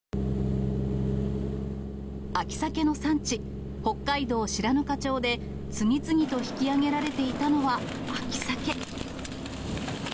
秋サケの産地、北海道白糠町で、次々と引き揚げられていたのは、秋サケ。